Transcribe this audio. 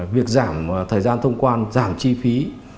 việc giảm thời gian thông quan giảm chi phí